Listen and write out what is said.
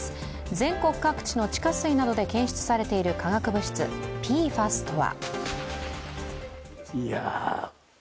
全国各地の地下水などで検出されている化学物質、ＰＦＡＳとは？